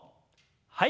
はい。